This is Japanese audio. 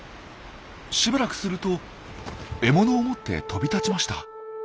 しばらくすると獲物を持って飛び立ちました。